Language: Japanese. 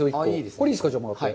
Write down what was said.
これ、いいですか、もらって。